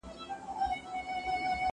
طلوع افغان د ذوق په روزنه کې مهم رول درلود.